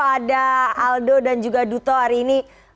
ada aldo dan juga duto hari ini